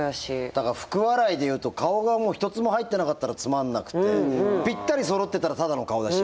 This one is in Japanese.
だから福笑いで言うと顔がもう一つも入ってなかったらつまんなくてぴったりそろってたらただの顔だし。